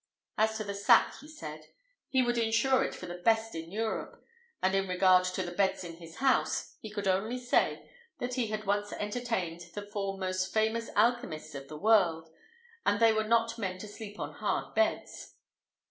As to the sack, he said, he would ensure it for the best in Europe; and in regard to the beds in his house, he could only say, that he had once entertained the four most famous alchymists of the world, and they were not men to sleep on hard beds.